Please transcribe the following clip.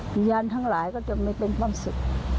วิญญาณทั้งหลายก็จะไม่เป็นความสุข